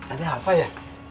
ada apa ya